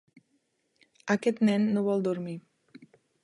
Aquest nen no vol dormir.